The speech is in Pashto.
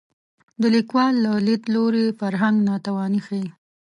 د لیکوال له لید لوري فرهنګ ناتواني ښيي